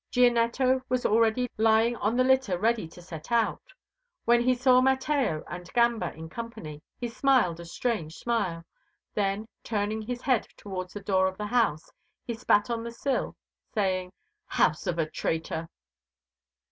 Gianetto was already lying on the litter ready to set out. When he saw Mateo and Gamba in company he smiled a strange smile, then, turning his head towards the door of the house, he spat on the sill, saying: "House of a traitor."